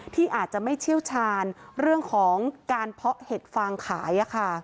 ที่อาจจะไม่เชี่ยวชาญเรื่องของการเพาะเห็ดฟางขาย